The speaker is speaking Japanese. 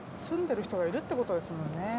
住んでる人がいるってことですもんね。